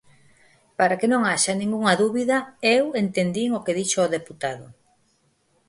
Para que non haxa ningunha dúbida, eu entendín o que dixo o deputado.